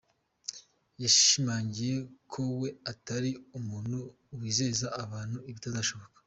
Yashimangiye ko we atari umuntu wizeza abantu ibitazashoboka.